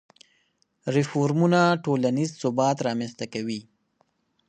ریفورمونه ټولنیز ثبات رامنځته کوي.